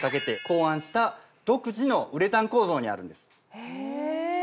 へぇ。